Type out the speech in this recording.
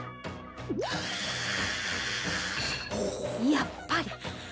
やっぱり。